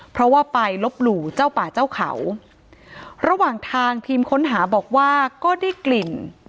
เพราะว่าไปลบหลู่เจ้าป่าเจ้าเขาระหว่างทางทีมค้นหาบอกว่าก็ได้กลิ่น